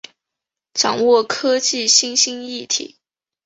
掌握科技新兴议题